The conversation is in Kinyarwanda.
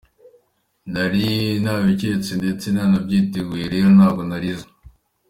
Nari nabiketse ndetse nanabyiteguye, rero ntabwo narize.